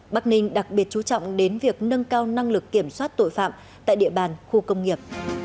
bắc ninh đặc biệt chú trọng đến việc nâng cao năng lực kiểm soát tội phạm tại địa bàn khu công nghiệp